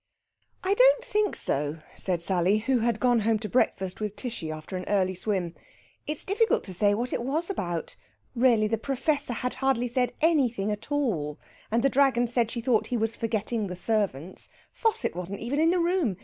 "I don't think so," said Sally, who had gone home to breakfast with Tishy after an early swim. "It's difficult to say what it was about. Really, the Professor had hardly said anything at all, and the Dragon said she thought he was forgetting the servants. Fossett wasn't even in the room.